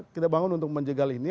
kita bangun untuk menjegal ini